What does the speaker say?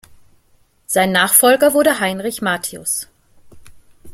Sein Nachfolger wurde Heinrich Martius.